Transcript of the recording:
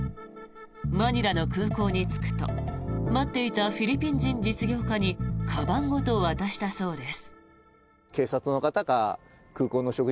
マニラの空港に着くと待っていたフィリピン人実業家にかばんごと渡したそうです。